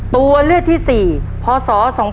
ตัวเลือกที่๔พศ๒๕๖